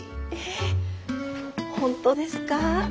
えっ本当ですか？